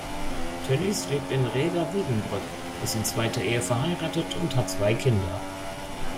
Tönnies lebt in Rheda-Wiedenbrück, ist in zweiter Ehe verheiratet und hat zwei Kinder.